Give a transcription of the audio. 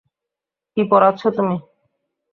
কী পোড়াচ্ছো তুমি?